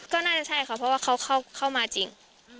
ก็น่าจะใช่ค่ะเพราะว่าเขาเข้ามาจริง